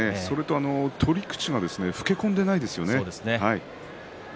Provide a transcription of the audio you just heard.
取り口が老け込んでいないですよね。